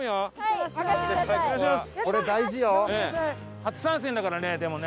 初参戦だからねでもね。